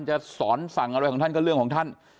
จะสอนสั่งอะไรของท่านก็เรื่องของท่าน